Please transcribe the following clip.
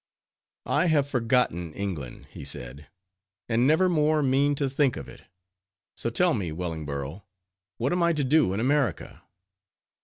"I have forgotten England," he said, "and never more mean to think of it; so tell me, Wellingborough, what am I to do in America?"